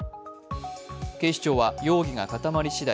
警視庁は容疑が固まりしだい